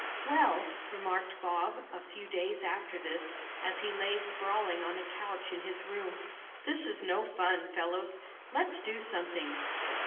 "Well," remarked Bob a few days after this, as he lay sprawling on a couch in his room, "this is no fun, fellows. Let's do something."